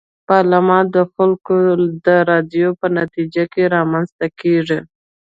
پارلمان د خلکو د رايو په نتيجه کي رامنځته کيږي.